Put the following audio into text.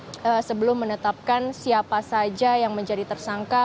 sebagai tindakan awal untuk sebelum menetapkan siapa saja yang menjadi tersangka